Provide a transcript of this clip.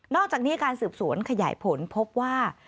อกจากนี้การสืบสวนขยายผลพบว่า